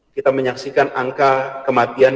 kita menyaksikan angka kematian